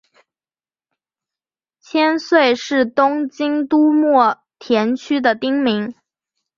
千岁是东京都墨田区的町名。